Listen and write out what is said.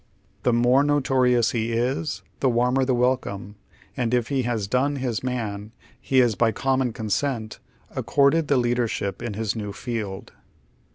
The more notorious lie is, the warmer the welcome, and if lie has " done " his man he is by common consent accorded the leadership in his new field.